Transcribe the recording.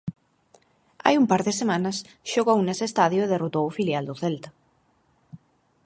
Hai un par de semanas xogou nese estadio e derrotou o filial do Celta.